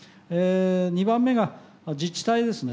２番目が自治体ですね。